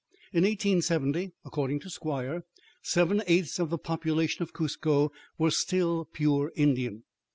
In 1870, according to Squier, seven eighths of the population of Cuzco were still pure Indian.